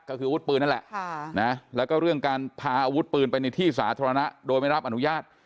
ก็คืออาวุธปืนนั่นแหละแล้วก็เรื่องการพาอาวุธปืนไปในที่สาธารณะโดยไม่รับอนุญาต